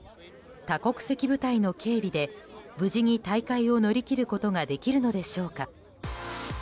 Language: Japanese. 多国籍部隊の警備で無事に大会を乗り切ることができるのでしょうか。